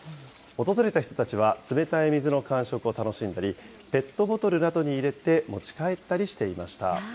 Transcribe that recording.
訪れた人たちは冷たい水の感触を楽しんだり、ペットボトルなどに入れて持ち帰ったりしていました。